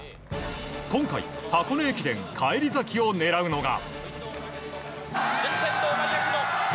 今回、箱根駅伝返り咲きを狙うのが。